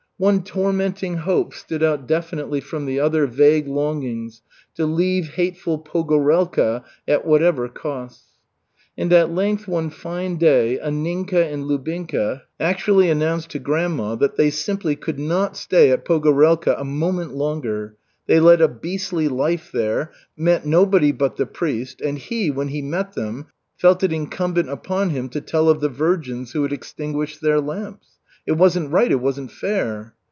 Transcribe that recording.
One tormenting hope stood out definitely from the other vague longings, to leave hateful Pogorelka at whatever costs. And at length one fine day Anninka and Lubinka actually announced to grandma that they simply could not stay at Pogorelka a moment longer; they led a beastly life there, met nobody but the priest, and he, when he met them, felt it incumbent upon him to tell of the virgins who had extinguished their lamps. It wasn't right, it wasn't fair.